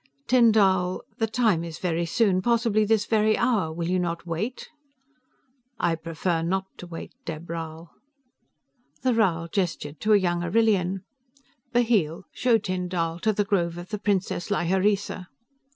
"Tyn Dall, The Time is very soon, possibly this very hour. Will you not wait?" "I prefer not to wait, Dheb Rhal." The Rhal gestured to a young Arrillian. "Bheel, show Tyn Dall to the Grove of the priestess Lhyreesa."